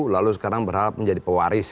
lalu sekarang berharap menjadi pewaris